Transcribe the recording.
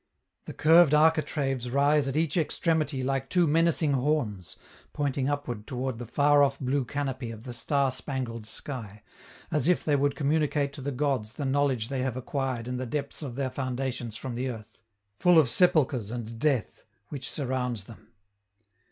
The curved architraves rise at each extremity like two menacing horns, pointing upward toward the far off blue canopy of the star spangled sky, as if they would communicate to the gods the knowledge they have acquired in the depths of their foundations from the earth, full of sepulchres and death, which surrounds them.